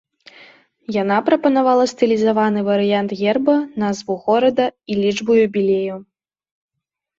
Яна прапанавала стылізаваны варыянт герба, назву горада і лічбу юбілею.